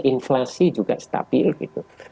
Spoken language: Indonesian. inflasi juga stabil gitu